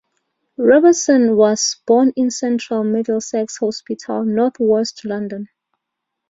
Roberts was born in Central Middlesex Hospital, north-west London.